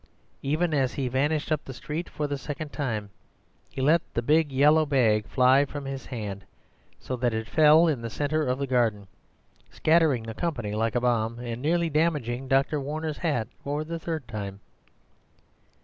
Even as he vanished up street for the second time, he let the big yellow bag fly from his hand, so that it fell in the centre of the garden, scattering the company like a bomb, and nearly damaging Dr. Warner's hat for the third time.